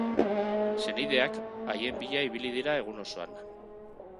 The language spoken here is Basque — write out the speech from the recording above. Senideak haien bila ibili dira egun osoan.